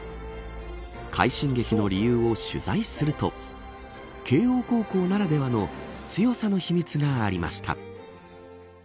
快進撃の理由を取材すると慶応高校ならではの強さの秘密がありました。